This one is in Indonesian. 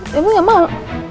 ya gue gak mau